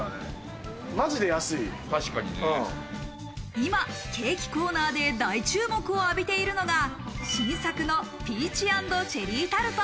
今、ケーキコーナーで大注目を浴びているのが、新作のピーチ＆チェリータルト。